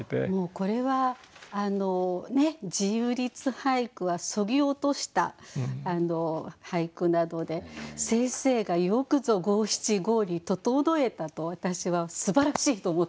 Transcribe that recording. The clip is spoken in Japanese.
これはね自由律俳句はそぎ落とした俳句なので先生がよくぞ五七五に整えたと私はすばらしいと思っております。